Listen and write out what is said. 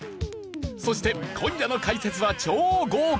そして今夜の解説は超豪華！